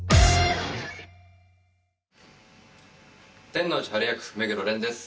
天王寺陽役目黒蓮です